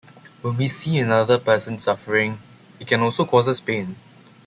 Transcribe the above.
When we see another person suffering, it can also cause us pain.